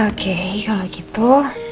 okay kalau gitu